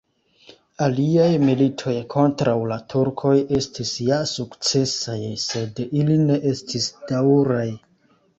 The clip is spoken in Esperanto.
Aliaj militoj kontraŭ la turkoj estis ja sukcesaj, sed ili ne estis daŭraj.